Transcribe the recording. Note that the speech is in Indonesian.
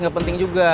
gak penting juga